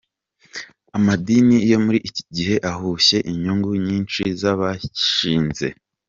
Amadini yo nuri iki gihe ahushe inyungu nyinshi z'abayashinze.